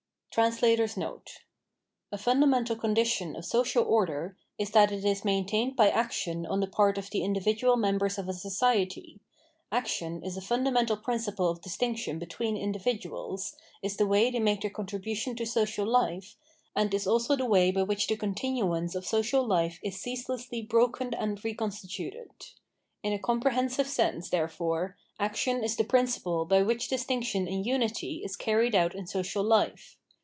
[A fundamental condition of social order is that it is maintained by action on the part of the individual members of a society ; action is a fundamental principle of distinction between individuals, is the way they make their contribution to social life, and is also the way by which the continuance of social life is ceaselessly broken and reconstituted. In a comprehensive sense therefore action is the principle by which distinction in unity is carried out in social life.